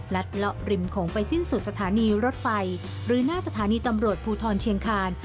เลาะริมโขงไปสิ้นสุดสถานีรถไฟหรือหน้าสถานีตำรวจภูทรเชียงคาน